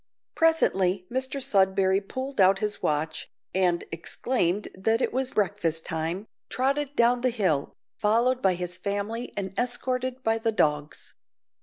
Presently Mr Sudberry pulled out his watch, and, exclaiming that it was breakfast time, trotted down the hill, followed by his family and escorted by the dogs.